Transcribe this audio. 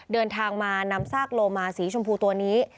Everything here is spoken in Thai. เดินทางมานำซากโลมาสีชมพูตัวนี้